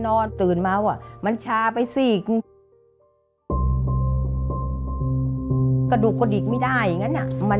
ห่วงหลานถ้าเราเป็นอะไรไปเนี่ยหลานจะอยู่กับใครแล้วจะทำไงอย่างนั้นเนี่ย